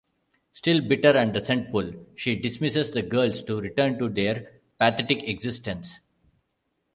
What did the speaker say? Still bitter and resentful, she dismisses the girls to return to their pathetic existence.